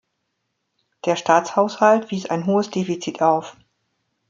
Der Staatshaushalt wies ein hohes Defizit auf.